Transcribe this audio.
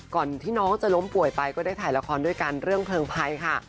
ก่อนที่น้องจะล้มป่วยไปก็ได้ถ่ายละครด้วยกันเรื่องเพลิงภัยค่ะ